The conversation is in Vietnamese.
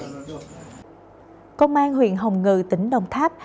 công an huyện hồng ngự tỉnh đồng tháp